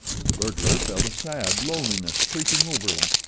The burglar felt a sad loneliness creeping over him.